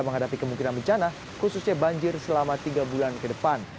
menghadapi kemungkinan bencana khususnya banjir selama tiga bulan ke depan